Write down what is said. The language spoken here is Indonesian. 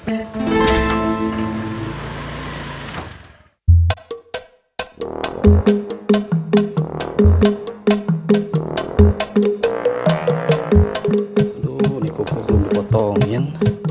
aduh ini kok belum di potongin